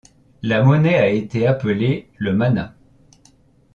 La monnaie a été appelée le manat.